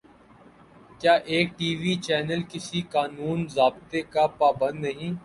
کیا ایک T V channel کسی قانون ضابطے کا پابند نہیں؟